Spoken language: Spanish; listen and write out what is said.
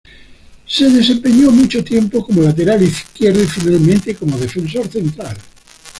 Se desempeñó mucho tiempo como lateral izquierdo y finalmente como defensor central.